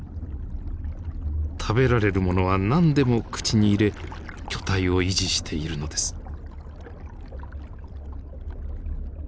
食べられるものは何でも口に入れ巨体を維持しているのです。